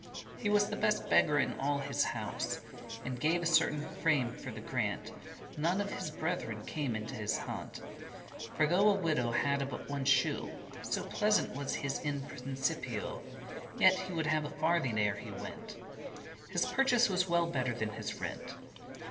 He was the beste beggar in all his house: And gave a certain farme for the grant, <19> None of his bretheren came in his haunt. For though a widow hadde but one shoe, So pleasant was his In Principio,<20> Yet would he have a farthing ere he went; His purchase was well better than his rent.